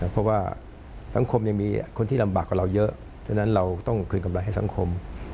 เพราะว่าสังคมยังมีคนที่ลำบากกว่าเราเยอะฉะนั้นเราต้องคืนกำไรให้สังคม